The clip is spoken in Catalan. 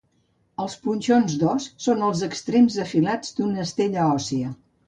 Els punxons d'os són els extrems afilats d'una estella òssia.